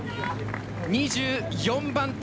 ２４番手。